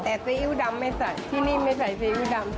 แต่ซีอิ๊วดำไม่ใส่ที่นี่ไม่ใส่ซีอิ๊วดำ